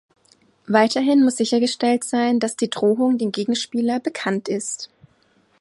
Weiterhin muss sichergestellt sein, dass die Drohung dem Gegenspieler bekannt ist.